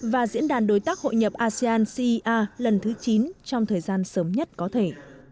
và diễn đàn đối tác hội nhập asean cea lần thứ chín trong thời gian sớm nhất có thể